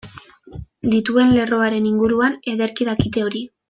Dituen lerroaren inguruan ederki dakite hori.